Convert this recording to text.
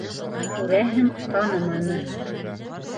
Күрәһең, таныманы.